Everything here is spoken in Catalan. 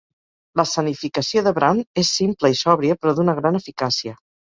L'escenificació de Brown és simple i sòbria però d'una gran eficàcia.